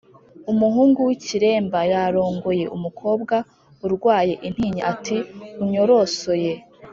umuhungu w’icyiremba yarongoye umukobwa urwaye intinyi ati unyorosoye